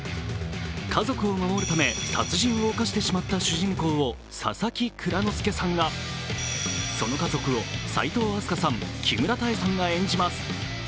家族を守るため殺人を犯してしまった主人公を佐々木蔵之介さんが、その家族を、齋藤飛鳥さん、木村多江さんが演じます。